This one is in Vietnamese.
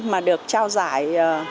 mà được trao giải